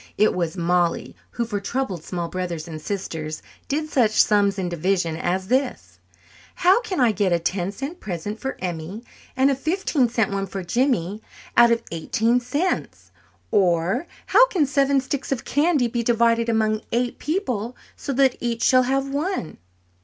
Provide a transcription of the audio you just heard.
It was Mollie who for troubled small brothers and sisters did such sums in division as this: How can I get a ten cent present for Emmy and a fifteen cent one for Jimmy out of eighteen cents? Or, how can seven sticks of candy be divided among eight people so that each shall have one?